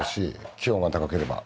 気温が高ければ。